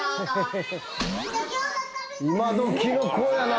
今どきの子やな。